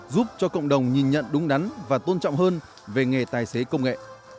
giúp cho cộng đồng nhìn nhận đúng đắn và tôn trọng hơn về nghề tài xế công nghệ